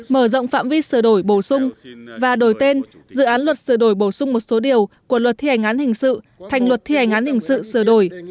mở rộng phạm vi sửa đổi bổ sung và đổi tên dự án luật sửa đổi bổ sung một số điều của luật thi hành án hình sự thành luật thi hành án hình sự sửa đổi